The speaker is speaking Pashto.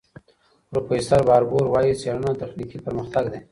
پروفیسور باربور وايي، څېړنه تخنیکي پرمختګ دی.